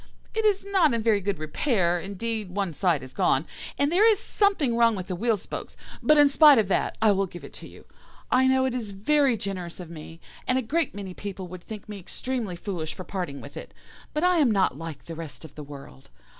It is not in very good repair; indeed, one side is gone, and there is something wrong with the wheel spokes; but in spite of that I will give it to you. I know it is very generous of me, and a great many people would think me extremely foolish for parting with it, but I am not like the rest of the world.